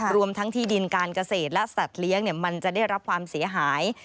รวมทั้งที่ดินการเกษตรและสัตว์เลี้ยงมันจะได้รับความเสียหาย